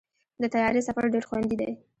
د طیارې سفر ډېر خوندي دی.